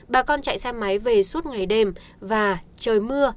bà con chạy xe máy về suốt ngày đêm và trời mưa